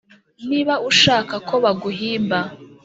niba ushaka ko baguhimba